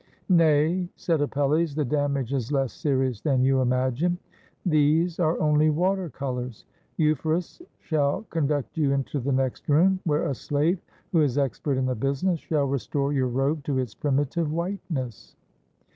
"Nay," said Apelles, "the damage is less serious than you imagine. These are only water colors. Euphorus shall conduct you into the next room, where a slave, who is expert in the business, shall restore your robe to its primitive whiteness."